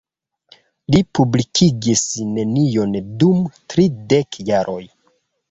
Li publikigis nenion dum tridek jaroj.